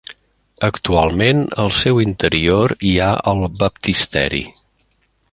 Actualment al seu interior hi ha el baptisteri.